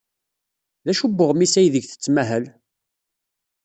D acu n uɣmis aydeg tettmahal?